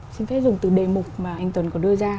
xin phép dùng từ đề mục mà anh tuấn có đưa ra